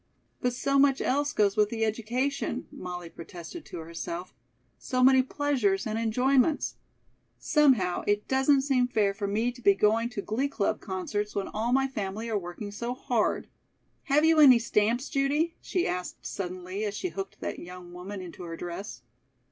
"But so much else goes with the education," Molly protested to herself. "So many pleasures and enjoyments. Somehow, it doesn't seem fair for me to be going to glee club concerts when all my family are working so hard." "Have you any stamps, Judy?" she asked suddenly, as she hooked that young woman into her dress.